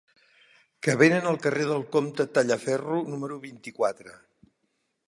Què venen al carrer del Comte Tallaferro número vint-i-quatre?